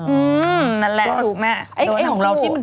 อื้อนั่นแหละถูกแม่เอ๊ะของเราที่